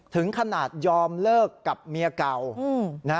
ถึงขนาดยอมเลิกกับเมียเก่า